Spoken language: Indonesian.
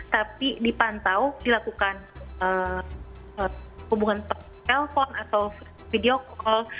tapi dipantau dilakukan hubungan telpon atau video call